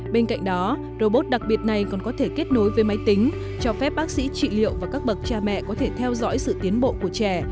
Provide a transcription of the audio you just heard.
bên cạnh đó robot đặc biệt này còn có thể kết nối với máy tính cho phép bác sĩ trị liệu và các bậc cha mẹ có thể theo dõi sự tiến bộ của trẻ